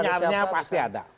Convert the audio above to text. saya kira sinyalnya pasti ada